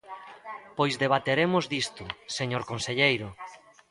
Pois debateremos disto, señor conselleiro.